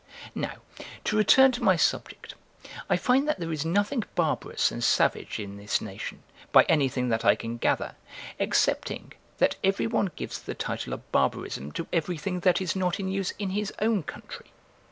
Now, to return to my subject, I find that there is nothing barbarous and savage in this nation, by anything that I can gather, excepting, that every one gives the title of barbarism to everything that is not in use in his own country.